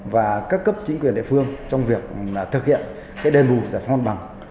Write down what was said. và các cấp chính quyền địa phương trong việc thực hiện đền bù giải phóng mặt bằng